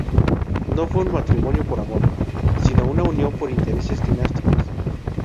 No fue un matrimonio por amor, sino una unión por intereses dinásticos.